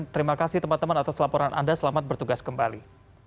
terima kasih teman teman atas laporan anda selamat bertugas kembali